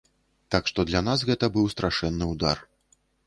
Так што для нас гэта быў страшэнны ўдар.